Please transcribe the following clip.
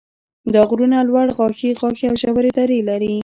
دا غرونه لوړ غاښي غاښي او ژورې درې لري.